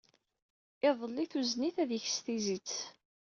Iḍelli, tuzen-it ad yeks tizit.